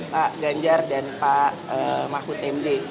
pak ganjar dan pak mahfud md